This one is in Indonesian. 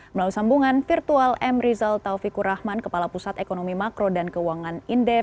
melalui sambungan virtual m rizal taufikur rahman kepala pusat ekonomi makro dan keuangan indef